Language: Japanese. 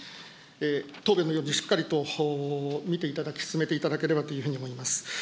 答弁のをしっかりと見ていただき、進めていただければというふうに思います。